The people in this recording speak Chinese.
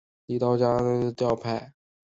李家道是三国时期兴起的一个道教派别。